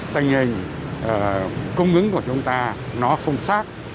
tình hình cung ứng của chúng ta nó không sát